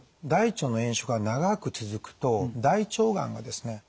大腸の炎症が長く続くと大腸がんがですね